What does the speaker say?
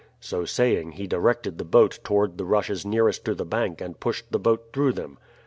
So saying he directed the boat toward the rushes nearest to the bank and pushed the boat through them.